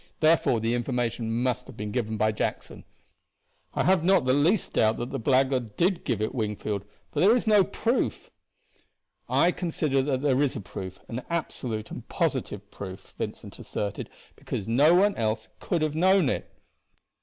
Therefore the information must have been given by Jackson." "I have not the least doubt but that the blackguard did give it, Wingfield; but there is no proof." "I consider that there is a proof an absolute and positive proof," Vincent asserted, "because no one else could have known it."